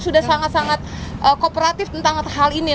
sudah sangat sangat kooperatif tentang hal ini